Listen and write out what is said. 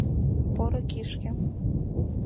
«Поро кишке»...